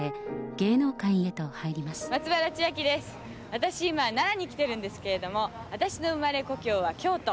私、今、奈良に来ているんですけれども、私の生まれ故郷は京都。